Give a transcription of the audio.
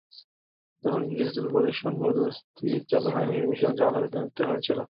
তখনো digital projection পদ্ধতি চালু হয়নি বলে ভীষণ ঝামেলা পোহাতে হয়েছিল।